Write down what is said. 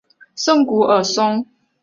圣古尔松。